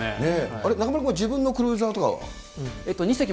あれ、中丸君は自分のクルーザーとかは？